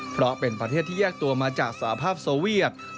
เพราะเป็นประเทศที่แยกตัวมาจากสหภาพโซเวียต